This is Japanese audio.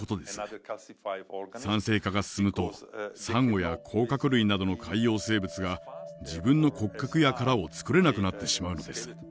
酸性化が進むとサンゴや甲殻類などの海洋生物が自分の骨格や殻をつくれなくなってしまうのです。